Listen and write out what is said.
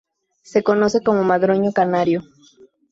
Se conoce como "madroño canario".